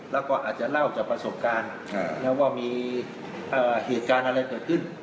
แล้วก็อาจจะเล่าจากประสบการณ์ว่ามีเหตุการณ์อะไรเกิดขึ้น